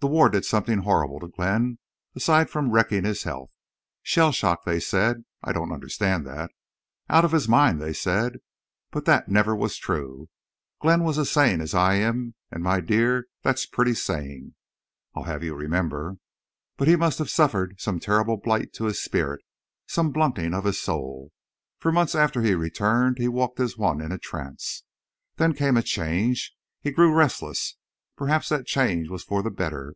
"The war did something horrible to Glenn aside from wrecking his health. Shell shock, they said! I don't understand that. Out of his mind, they said! But that never was true. Glenn was as sane as I am, and, my dear, that's pretty sane, I'll have you remember. But he must have suffered some terrible blight to his spirit—some blunting of his soul. For months after he returned he walked as one in a trance. Then came a change. He grew restless. Perhaps that change was for the better.